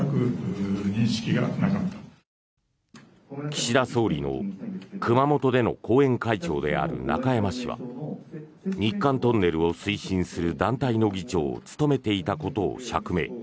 岸田総理の熊本での後援会長である中山氏は日韓トンネルを推進する団体の議長を務めていたことを釈明。